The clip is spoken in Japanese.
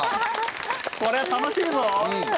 これは楽しいぞ！